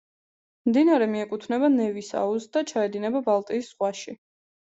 მდინარე მიეკუთვნება ნევის აუზს და ჩაედინება ბალტიის ზღვაში.